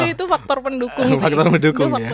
itu faktor pendukung sih